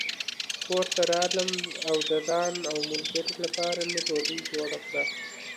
کور ته راغلم او د ځان او ملګري لپاره مې ډوډۍ جوړه کړه.